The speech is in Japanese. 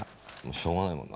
しょうがないもんな。